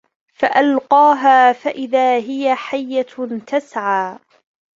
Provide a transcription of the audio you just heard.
فَأَلْقَاهَا فَإِذَا هِيَ حَيَّةٌ تَسْعَى